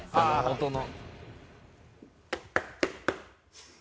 音の。